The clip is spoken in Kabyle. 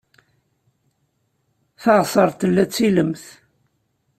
Taɣsert tella d tilemt.